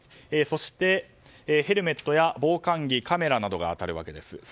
そしてヘルメットや防寒着カメラなどが当たるわけです。